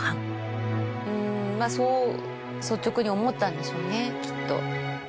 そう率直に思ったんでしょうねきっと。